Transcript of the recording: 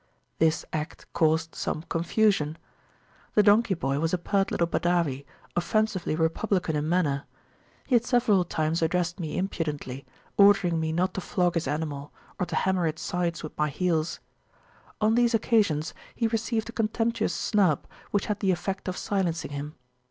This act caused some confusion. The donkey boy was a pert little Badawi, offensively republican in manner. He had several times addressed me impudently, ordering me not to flog his animal, or to hammer its sides with my heels. On these occasions he received a contemptuous snub, which had the effect of silencing him.